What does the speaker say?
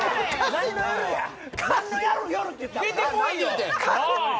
何の夜って言ったん？